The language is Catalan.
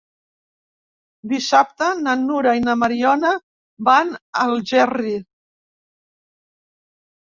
Dissabte na Nura i na Mariona van a Algerri.